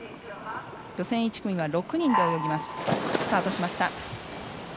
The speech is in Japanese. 予選１組は６人で泳ぎます。